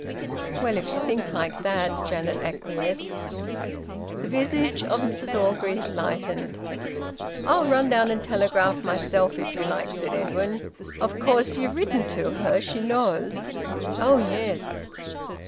"Well, if you think like that," Janet acquiesced. The visage of Mrs Orgreave lightened. "I'll run down and telegraph myself, if you like," said Edwin. "Of course you've written to her. She knows " "Oh yes!"